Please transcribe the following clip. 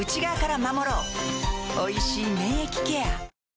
おいしい免疫ケア